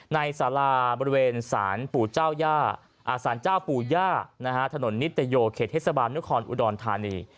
ในสาราบริเวณสารปู่ย่าถนนนิตยโยเขตเฮศบาลนุครอุดรธานี